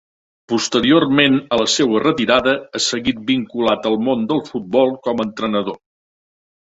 Posteriorment a la seua retirada, ha seguit vinculat al món del futbol com a entrenador.